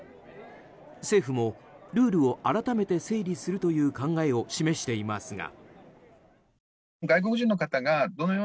政府もルールを改めて整理するという考えを示していますが。